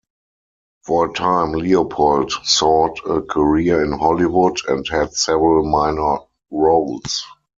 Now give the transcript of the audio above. For a time Leopold sought a career in Hollywood and had several minor roles.